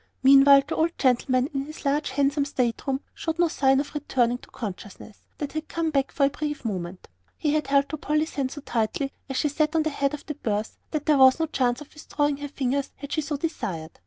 Meantime the old gentleman, in his large handsome state room, showed no sign of returning to the consciousness that had come back for a brief moment. And he held to Polly's hand so tightly, as she sat at the head of the berth, that there was no chance of withdrawing her fingers had she so desired.